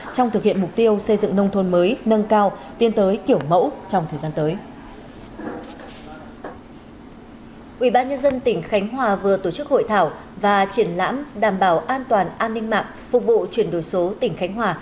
trong thực hiện mục tiêu xây dựng nông thôn mới nâng cao tiến tới kiểu mẫu trong thời gian tới